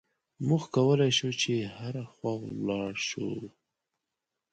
موږ کولای شو چې هره خوا ولاړ شو.